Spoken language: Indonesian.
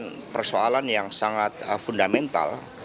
ini persoalan yang sangat fundamental